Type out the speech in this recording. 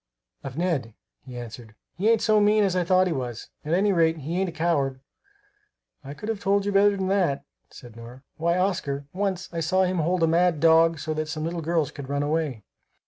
"Of Ned," he answered. "He ain't so mean as I thought he was. At any rate, he ain't a coward." "I could have told you better than that," said Nora. "Why, Oscar, once I saw him hold a mad dog so that some little girls could run away.